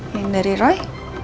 yang dari roy